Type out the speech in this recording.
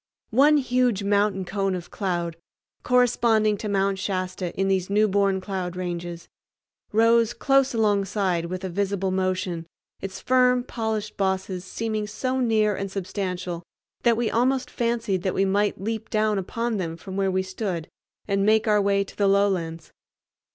One huge mountain cone of cloud, corresponding to Mount Shasta in these newborn cloud ranges, rose close alongside with a visible motion, its firm, polished bosses seeming so near and substantial that we almost fancied that we might leap down upon them from where we stood and make our way to the lowlands.